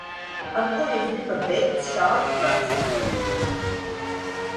Ar ko jūs gribat beigt šādu procesu?